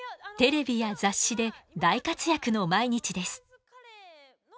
テレビや雑誌で大活躍の毎日です。